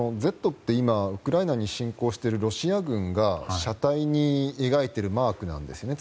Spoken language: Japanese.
「Ｚ」はウクライナに侵攻しているロシア軍が車体に描いているマークなんです。